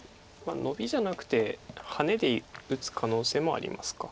ノビじゃなくてハネで打つ可能性もありますか。